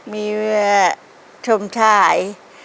มีชมชาย